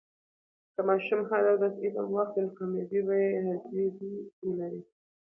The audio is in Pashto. که ماشوم هر ورځ علم واخلي، نو کامیابي به حاضري ولري.